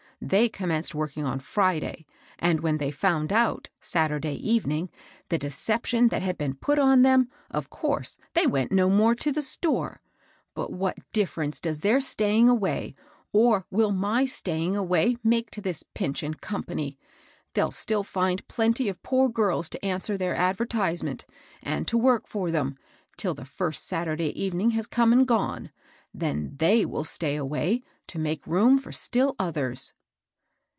They commenced working on Friday, and when they found out, Saturday erening, the deception that had been put on them, of course they went no more to the store. But what difference does their stajring away, or will my staying away, make to this Pinch and Company J They'll still find plenty of poor girk to answer tibeir advertisement, and to work for them, till the first Saturday evening has come and gone ; then tkey will stay away, to make room for still others."